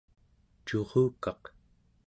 curukaq